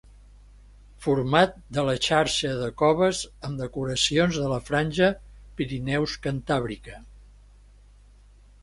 Format de la xarxa de coves amb decoracions de la franja "Pirineus-cantàbrica".